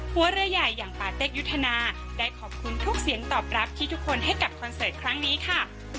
หัวเรือใหญ่อย่างปาเต็กยุทธนาได้ขอบคุณทุกเสียงตอบรับที่ทุกคนให้กับคอนเสิร์ตครั้งนี้ค่ะ